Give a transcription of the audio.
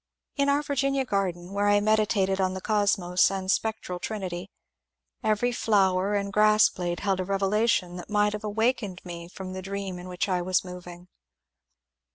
In our Virginia garden where I meditated on the Cosmos and spectral Trinity every flower and grass blade held a revelation that might have awakened me from the dream in which I was moving.